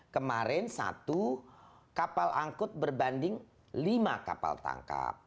kemarin satu kapal angkut berbanding lima kapal tangkap